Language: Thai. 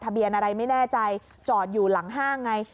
เบียนอะไรไม่แน่ใจจอดอยู่หลังห้างไง